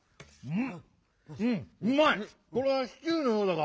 うん。